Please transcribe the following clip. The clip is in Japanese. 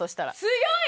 強い！